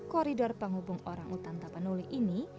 koridor penghubung orang hutan tanpa nuli ini